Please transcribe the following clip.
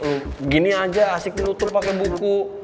lu gini aja asik nutup pake buku